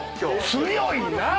強いなあ。